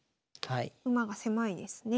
馬が狭いですね。